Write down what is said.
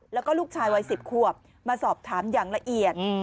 แล้วก็ลูกชายวัย๑๐ขวบมาสอบถามอย่างละเอียด